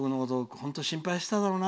本当に心配してただろうな。